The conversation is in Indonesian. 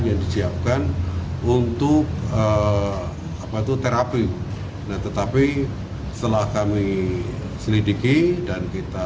yang di siapkan untuk apa tuh terapi tetapi setelah kami selidiki dan kita